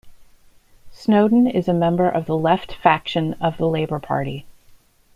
Snowdon is a member of the Left faction of the Labor Party.